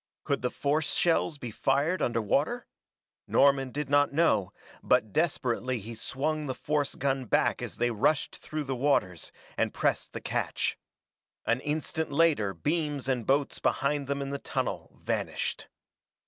Could the force shells be fired under water? Norman did not know, but desperately he swung the force gun back as they rushed through the waters, and pressed the catch. An instant later beams and boats behind them in the tunnel vanished.